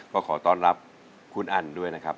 ก็ขอต้อนรับคุณอันด้วยนะครับ